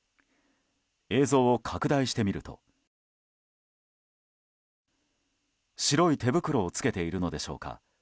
映像を拡大してみると白い手袋をつけているのでしょうか。